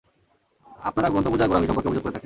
আপনারা গ্রন্থপূজার গোঁড়ামি সম্পর্কে অভিযোগ করে থাকেন।